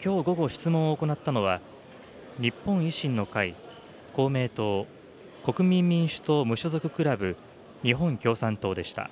きょう午後、質問を行ったのは、日本維新の会、公明党、国民民主党・無所属クラブ、日本共産党でした。